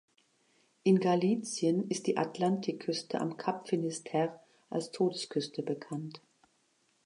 In Galicien ist die Atlantikküste am Kap Finisterre als Todesküste bekannt.